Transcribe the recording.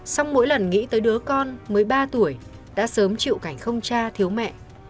xong mỗi lần nghĩ tới đứa con mới ba tuổi đã sớm chịu cảnh không cha thiếu mẹ